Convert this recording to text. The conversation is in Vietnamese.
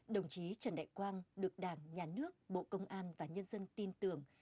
đồng chí trần đại quang được đảng nhà nước bộ công an và nhân dân tin tưởng